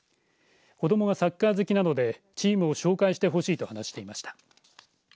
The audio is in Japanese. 子どもがサッカー好きなのでチームを紹介してほしいと話していました。